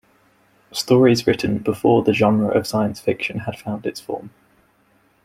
Stories written before the genre of science fiction had found its form.